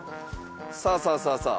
さあさあさあさあ。